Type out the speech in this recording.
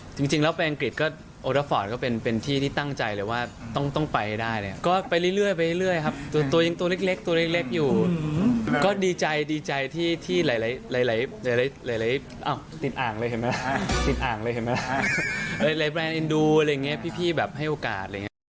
จริงแล้วแปลงกฤษโอราฟอร์ตก็เป็นที่ที่ตั้งใจเลยว่าต้องไปได้ก็ไปเรื่อยตัวนี้ตัวเล็กอยู่ก็ดีใจที่หลายติดอ่างเลยเห็นไหมละหลายแบรนด์เอ็นดูพี่แบบให้โอกาส